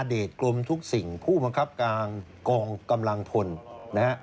พตนรเดชน์กรมทุกสิ่งผู้มันครับกลางกองกำลังทน